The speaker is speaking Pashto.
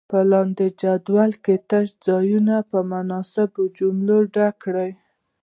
په لاندې جدول کې تش ځایونه په مناسبو جملو ډک کړئ.